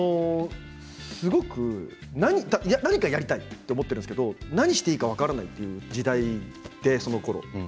何かやりたいと思ったんですが何をしていいか分からないという、時代、そのころ。